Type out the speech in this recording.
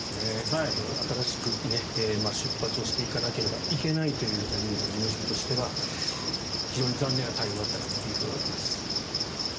新しく出発していかなければいけないというジャニーズ事務所としては非常に残念な対応だったなと思います。